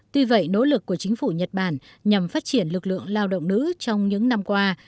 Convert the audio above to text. tuy vậy nỗ lực của chính phủ nhật bản nhằm phát triển lực lượng lao động nữ trong những năm qua